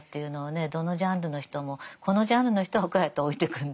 どのジャンルの人もこのジャンルの人はこうやって老いてくんだ。